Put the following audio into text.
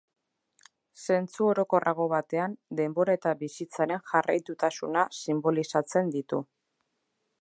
Zentzu orokorrago batean denbora eta bizitzaren jarraitutasuna sinbolizatzen ditu.